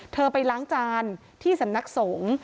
ไปล้างจานที่สำนักสงฆ์